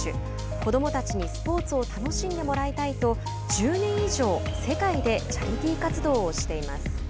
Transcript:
子どもたちにスポーツを楽しんでもらいたいと１０年以上世界でチャリティー活動をしています。